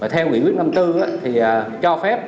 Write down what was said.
theo nghị quyết năm mươi bốn thì cho phép